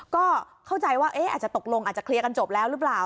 ก็เข้าใจว่าอาจจะตกลงอาจจะเคลียร์กันจบแล้วหรือเปล่า